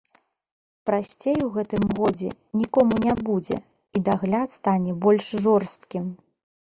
Прасцей у гэтым годзе нікому не будзе, і дагляд стане больш жорсткім.